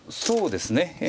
そうですね。